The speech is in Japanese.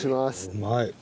うまい。